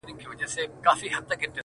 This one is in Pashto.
• څو مکتبونه لا مدرسې وي -